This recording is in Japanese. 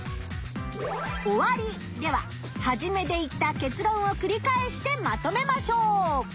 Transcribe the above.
おわりでははじめで言った結論をくり返してまとめましょう！